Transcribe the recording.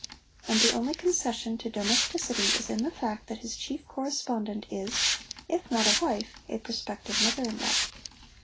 And the only concession to domesticity is in the fact that his chief correspondent is, if not a wife, a prospective mother in law.